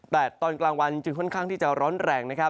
แต่ตอนกลางวันจึงค่อนข้างที่จะร้อนแรงนะครับ